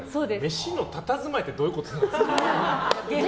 飯のたたずまいってどういうことなんですか。